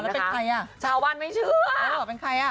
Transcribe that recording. แล้วเป็นใครอ่ะชาวบ้านไม่เชื่อเออเป็นใครอ่ะ